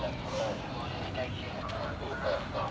อันที่สุดท้ายก็คือภาษาอันที่สุดท้าย